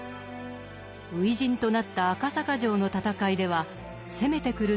初陣となった赤坂城の戦いでは攻めてくる敵を罠にかけます。